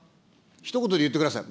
ひと言で言ってください。